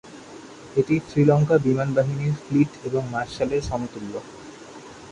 এটি শ্রীলঙ্কা বিমান বাহিনীর ফ্লিট এবং মার্শালের সমতুল্য।